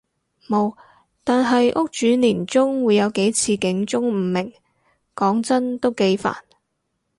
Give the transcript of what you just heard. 無，但係屋主年中會有幾次警鐘誤鳴，講真都幾煩